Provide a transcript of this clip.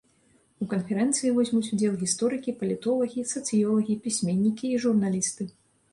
У канферэнцыі возьмуць удзел гісторыкі, палітолагі, сацыёлагі, пісьменнікі і журналісты.